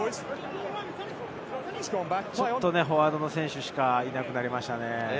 ちょっとフォワードの選手しかいなくなりましたね。